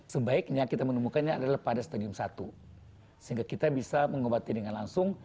sebaiknya kita menemukannya adalah pada stadium satu sehingga kita bisa mengobati dengan langsung